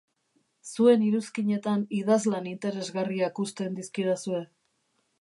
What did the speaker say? Zuen iruzkinetan idazlan interesgarriak uzten dizkidazue.